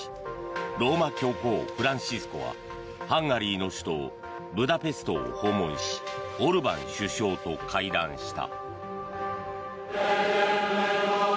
ローマ教皇フランシスコはハンガリーの首都ブダペストを訪問しオルバン首相と会談した。